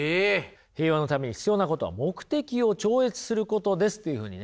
「平和のために必要なことは目的を超越することです」というふうにね。